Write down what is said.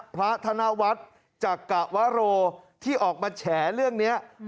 ธนวัฒน์จักรวโรที่ออกมาแฉเรื่องนี้